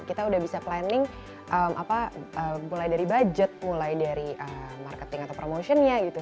kita udah bisa planning mulai dari budget mulai dari marketing atau promotionnya gitu